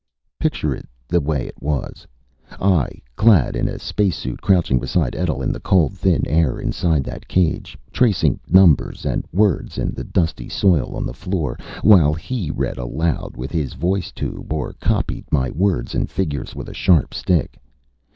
Picture it the way it was I, clad in a spacesuit, crouching beside Etl in the cold, thin air inside that cage, tracing numbers and words in the dusty soil on the floor, while he read aloud with his voice tube or copied my words and figures with a sharp stick.